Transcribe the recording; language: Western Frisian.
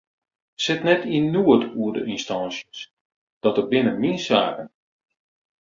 Sit net yn noed oer de ynstânsjes, dat binne myn saken.